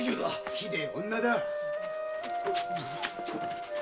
ひでえ女だ！